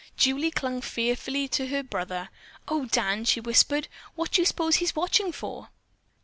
Julie clung fearfully to her brother. "Oh, Dan," she whispered. "What do you suppose he's watching for?"